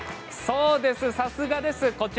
そうです、さすがです。